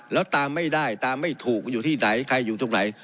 แล้วตามไม่ได้ตามไม่ถูกอยู่ที่ไหนใครอยู่ตรงไหน